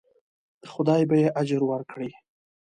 خدای به یې اجر ورکړي.